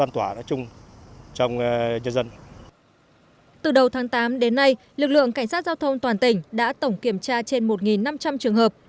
từ đầu tháng tám đến nay lực lượng cảnh sát giao thông toàn tỉnh đã tổng kiểm tra trên một năm trăm linh trường hợp